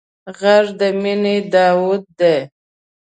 غږ د مینې داوود دی